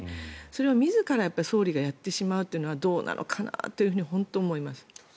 それを自ら総理がやってしまうというのはどうなのかなと本当に思います。